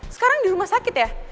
sekarang di rumah sakit ya